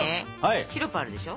シロップあるでしょ。